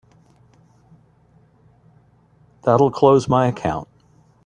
That'll close my account.